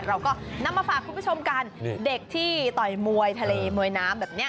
เราก็นำมาฝากคุณผู้ชมกันเด็กที่ต่อยมวยทะเลมวยน้ำแบบนี้